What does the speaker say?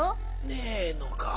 ねえのか？